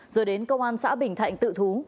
rồi đến công an xã bình thạnh tự thú